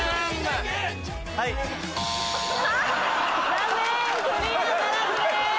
残念クリアならずです。